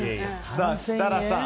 設楽さん